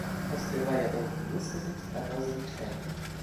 Но сперва я должен высказать одно замечание.